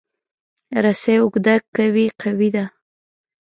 رسۍ اوږده که وي، قوي ده.